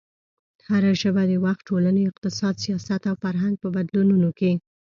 هره ژبه د وخت، ټولنې، اقتصاد، سیاست او فرهنګ په بدلونونو کې